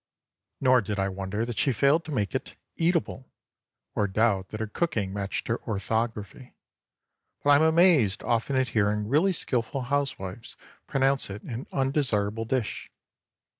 Nor did I wonder that she failed to make it "eatible," or doubt that her cooking matched her orthography. But I am amazed often at hearing really skilful housewives pronounce it an undesirable dish.